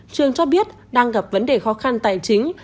trường cho biết đang gặp vấn đề khó khăn tài chính